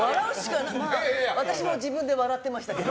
私も自分で笑ってましたけど。